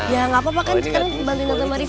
ya enggak apa apa kan kita bantuin tante marissa